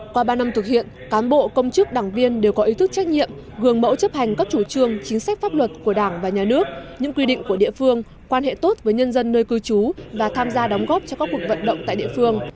qua ba năm thực hiện cán bộ công chức đảng viên đều có ý thức trách nhiệm gương mẫu chấp hành các chủ trương chính sách pháp luật của đảng và nhà nước những quy định của địa phương quan hệ tốt với nhân dân nơi cư trú và tham gia đóng góp cho các cuộc vận động tại địa phương